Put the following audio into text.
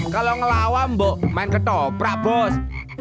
kalau ngelawan mbok main ketoprak bos